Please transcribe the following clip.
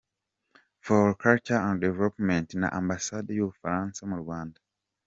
for Culture and Development na Ambassade yu Bufaransa mu Rwanda.